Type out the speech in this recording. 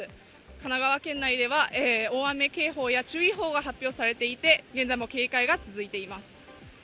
神奈川県内では大雨警報や注意報が発表されていて現在も警戒が続いています。